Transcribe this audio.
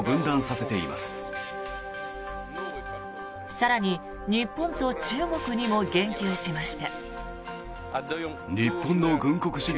更に、日本と中国にも言及しました。